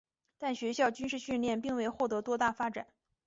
但学校军事训练并未获得多大发展。